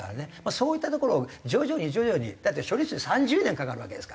そういったところを徐々に徐々に。だって処理水３０年かかるわけですから。